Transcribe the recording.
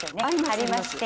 あります。